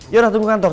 yaudah tunggu kantor